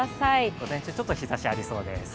午前中ちょっと日ざしがありそうです。